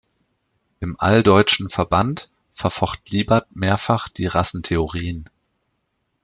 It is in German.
Im Alldeutschen Verband verfocht Liebert mehrfach die Rassentheorien.